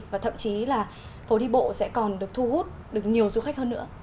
và thậm chí là phố đi bộ sẽ còn được thu hút được nhiều du khách hơn nữa